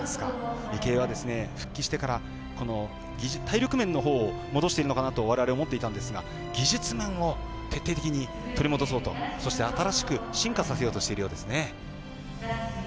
池江は復帰してから体力面のほうを戻しているのかとわれわれ思っていたんですが技術面を徹底的に取り戻そうとそして、新しく進化させようとしているようですね。